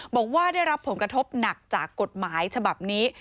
บอกว่าได้รับผลกระทบหนักจากกฎหมายฉบับนี้